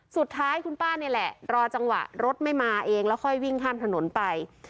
สุดท้ายคุณป้านี่แหละรอจังหวะรถไม่มาเองแล้วค่อยวิ่งข้ามถนนไป